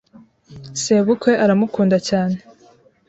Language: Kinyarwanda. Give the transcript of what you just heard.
Sebukwe aramukunda cyane